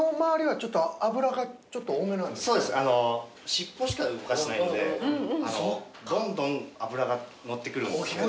尻尾しか動かしてないのでどんどん脂が乗ってくるんです。